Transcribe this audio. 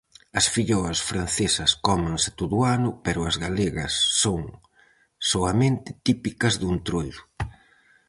As filloas francesas cómense todo o ano, pero as galegas son soamente típicas do Entroido.